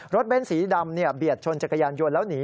เบ้นสีดำเบียดชนจักรยานยนต์แล้วหนี